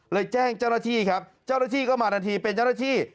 แจ้งเจ้าหน้าที่ครับเจ้าหน้าที่ก็มาทันทีเป็นเจ้าหน้าที่